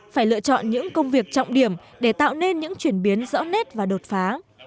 phải lựa chọn những công việc trọng điểm để tạo nên những chuyển biến rõ nét và đột phá